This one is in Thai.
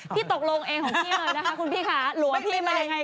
พี่ตกลงเองของพี่เลยนะคะคุณพี่คะหลัวพี่มันยังไงคะ